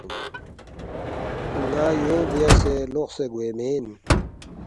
”ن٘ا یو بیاسے لوقسے گوے مین